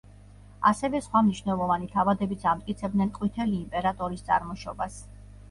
ასევე სხვა მნიშვნელოვანი თავადებიც ამტკიცებდნენ ყვითელი იმპერატორის წარმოშობას.